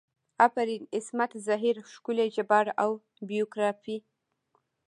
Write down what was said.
افرین عصمت زهیر ښکلي ژباړه او بیوګرافي